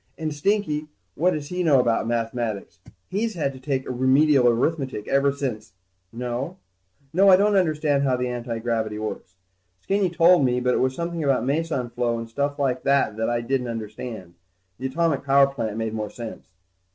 And Stinky, what does he know about mathematics? He's had to take Remedial Arithmetic ever since ...No, I don't understand how the antigravity works. Skinny told me, but it was something about meson flow and stuff like that that I didn't understand. The atomic power plant made more sense.